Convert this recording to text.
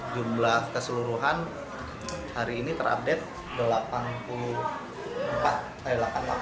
jumlah keseluruhan hari ini terupdate